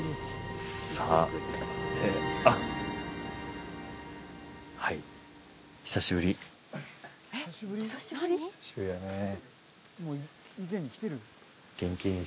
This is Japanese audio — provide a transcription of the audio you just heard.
さてあっはい久しぶりだねえ